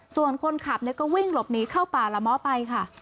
ส่วนคนขับก็วิ่งหลบหนีเข้าป่าละม้อไปค่ะ